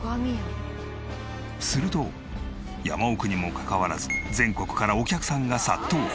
すると山奥にもかかわらず全国からお客さんが殺到！